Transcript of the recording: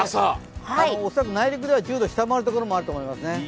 恐らく内陸では１０度を下回るところもありそうですね。